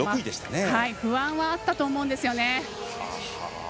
不安はあったと思うんですよね。